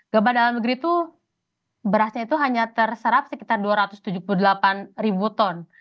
gabah dalam negeri itu berasnya itu hanya terserap sekitar dua ratus tujuh puluh delapan ribu ton